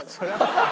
ハハ！